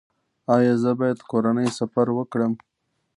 ایا زه باید کورنی سفر وکړم؟